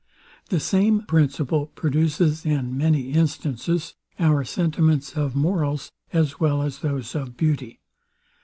The same principle produces, in many instances, our sentiments of morals, as well as those of beauty.